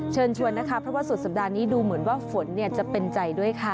เชิญชวนนะคะเพราะว่าสุดสัปดาห์นี้ดูเหมือนว่าฝนจะเป็นใจด้วยค่ะ